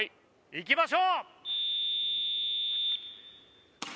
いきましょう！